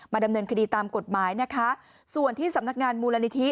ดำเนินคดีตามกฎหมายนะคะส่วนที่สำนักงานมูลนิธิ